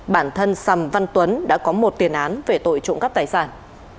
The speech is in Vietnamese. bản thân sầm văn tuấn đã có một tiền án về tội trộm cắp tài sản